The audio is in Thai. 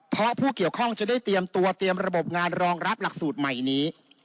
เพราะผู้เกี่ยวข้องจะได้เตรียมตัวเตรียมระบบงานรองรับหลักสูตรใหม่นี้